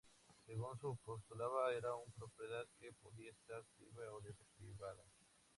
Según se postulaba, era una propiedad que podía estar activada o desactivada.